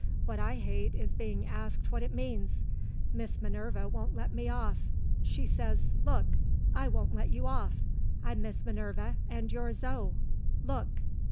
"What I hate is being asked what it means. Miss Minerva won't let me off. She says, Look. I won't let you off. I'm Miss Minerva and you're Zo. Look!"